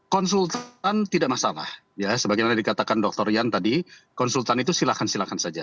konsultan tidak masalah ya sebagai yang dikatakan doktor ian tadi konsultan itu silakan silakan saja